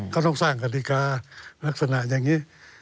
ก็ต้องสร้างกฎิกาลักษณะอย่างนี้